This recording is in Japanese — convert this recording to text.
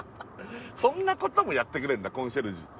そんな事もやってくれるんだコンシェルジュって。